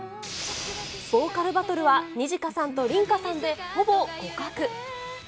ボーカルバトルはニジカさんとリンカさんで、ほぼ互角。